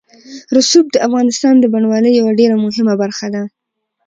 رسوب د افغانستان د بڼوالۍ یوه ډېره مهمه برخه ده.